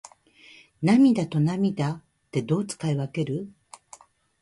涙と泪ってどう使い分ける？